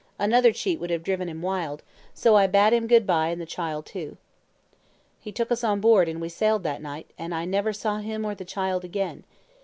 Another cheat would have driven him wild, so I bade him good bye and the child too. "He took us on board and we sailed that night, and I never saw him or the child again.